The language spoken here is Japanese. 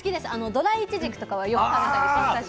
ドライいちじくとかはよく食べたりしますね。